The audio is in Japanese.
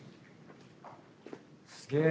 すげえ。